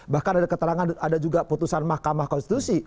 bahkan ada keterangan ada juga putusan mahkamah konstitusi